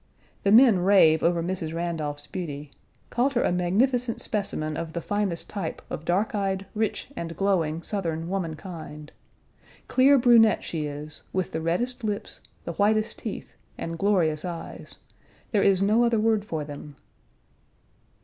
The men rave over Mrs. Randolph's beauty; called her a magnificent specimen of the finest type of dark eyed, rich, and glowing Southern woman kind. Clear brunette she is, with the reddest lips, the whitest teeth, and glorious eyes; there is no other word for them.